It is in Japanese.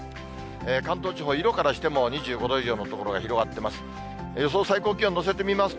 関東地方、色からしても２５度以上の所が広がってます。